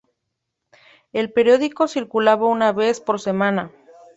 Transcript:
El periódico circulaba una vez por semana.